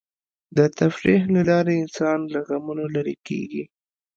د تفریح له لارې انسان له غمونو لرې کېږي.